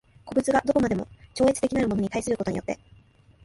個物が何処までも超越的なるものに対することによって